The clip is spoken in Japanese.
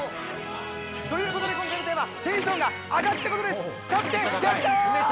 ということで、今回のテーマ、テンションが上がったことです。